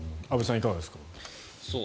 安部さん、いかがですか。